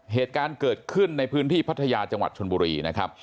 เหตุการณ์เกิดขึ้นในพื้นที่พัทยาจังหวัดชนบุรีนะครับ